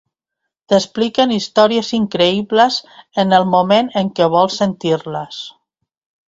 T'expliquen històries increïbles en el moment en què vols sentir-les.